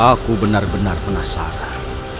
aku benar benar penasaran